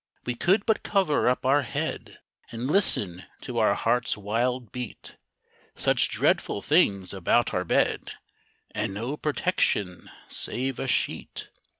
We could but cover up our head, And listen to our heart's wild beat Such dreadful things about our bed, And no protection save a sheet!